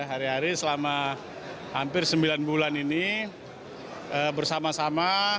hari hari selama hampir sembilan bulan ini bersama sama